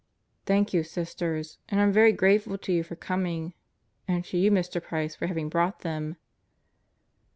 "Thank you, Sisters. And I'm very grateful to you for coming. And to you, Mr. Price, for having brought them."